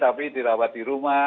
tapi dirawat di rumah